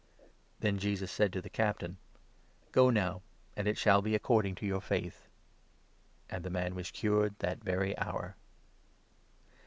Then Jesus said to the Captain : 13 " Go now, and it shall be according to your faith." And the man was cured that very hour.